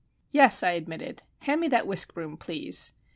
"Yes," I admitted. "Hand me that whisk broom, please.